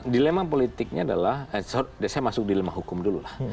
dilema politiknya adalah saya masuk dilema hukum dulu lah